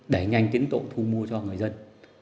để nhanh tiến tộ thu mua cho người dân